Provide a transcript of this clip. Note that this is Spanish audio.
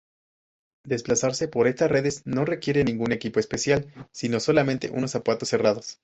Desplazarse por estas redes no requiere ningún equipo especial sino solamente unos zapatos cerrados.